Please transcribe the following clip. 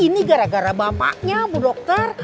ini gara gara bapaknya ibu dokter